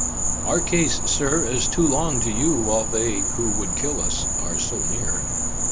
"Our case, Sir, is too long to you while they who would kill us are so near.